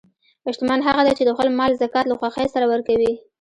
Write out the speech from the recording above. شتمن هغه دی چې د خپل مال زکات له خوښۍ سره ورکوي.